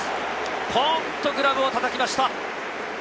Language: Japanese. ポンっとグラブをたたきました。